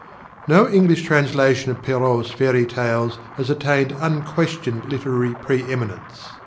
_ _No English translation of Perrault's fairy tales has attained unquestioned literary pre eminence.